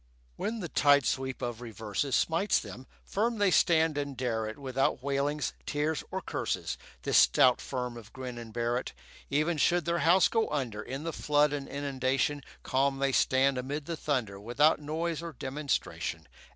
When the tide sweep of reverses Smites them, firm they stand and dare it Without wailings, tears, or curses, This stout firm of Grin and Barrett. Even should their house go under In the flood and inundation, Calm they stand amid the thunder Without noise or demonstration.